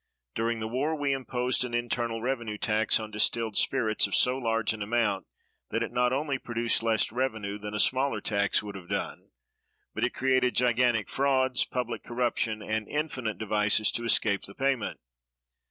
During the war we imposed an internal revenue tax on distilled spirits of so large an amount that it not only produced less revenue than a smaller tax would have done, but it created gigantic frauds, public corruption, and infinite devices to escape the payment.